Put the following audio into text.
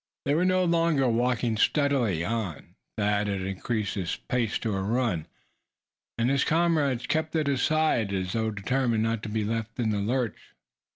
They were no longer walking steadily on. Thad had increased his pace to a run, and his comrades kept at his side, as though determined not to be left in the lurch.